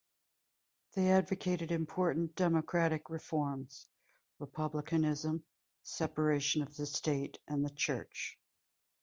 They advocated important democratic reforms, republicanism, separation of the state and the church.